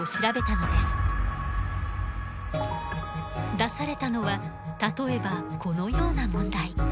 出されたのは例えばこのような問題。